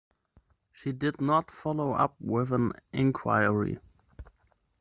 She did not follow up with an inquiry.